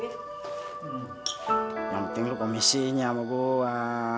yang penting lu komisinya sama gue